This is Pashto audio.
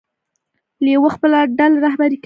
لیوه خپله ډله رهبري کوي.